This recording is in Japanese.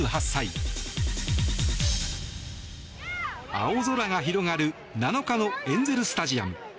青空が広がる７日のエンゼル・スタジアム。